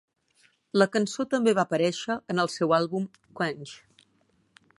La cançó també va aparèixer en el seu àlbum "Quench".